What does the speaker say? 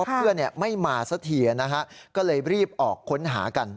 เพราะว่าเพื่อนไม่มาสักทีนะครับก็เลยรีบออกค้นหากัน